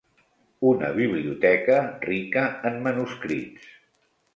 Una biblioteca rica en manuscrits.